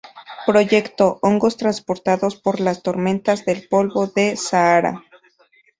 Proyecto: Hongos transportados por las tormentas del polvo del Sahara.